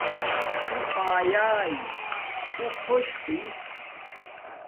تو ایاݵ اُو خوش ہس